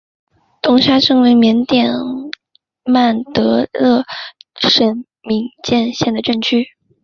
东沙镇为缅甸曼德勒省敏建县的镇区。